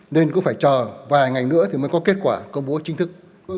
nên cũng phải chờ vài ngày nữa mới có kết quả công bố chính thức